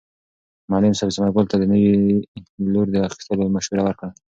معلم صاحب ثمر ګل ته د نوي لور د اخیستلو مشوره ورکړه.